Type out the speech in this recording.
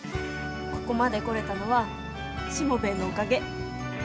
ここまで来れたのはしもべえのおかげ。